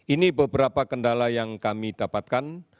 ini beberapa kendala yang kami dapatkan